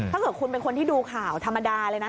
ถ้าเกิดเป็นคนจะดูข่าวภิกษาธรรมดานะ